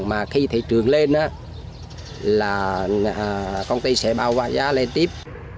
mà khi thị trường lên là công ty sẽ bao quá giá lên tiếp